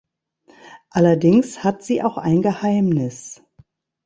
Allerdings hat sie auch ein Geheimnis.